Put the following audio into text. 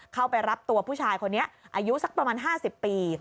เข้าไปรับตัวผู้ชายคนนี้อายุสักประมาณ๕๐ปี